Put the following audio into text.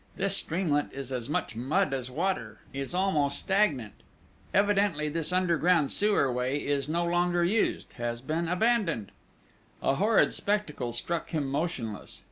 "This streamlet is as much mud as water, is almost stagnant. Evidently this underground sewer way is no longer used has been abandoned!" A horrid spectacle struck him motionless.